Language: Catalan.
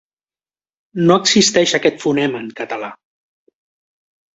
No existeix aquest fonema en català.